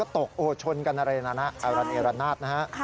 ตกโอชนกันอะไรนะครับเอาร้านเอกรรณาตพ์นะครับ